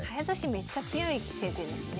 めっちゃ強い先生ですね。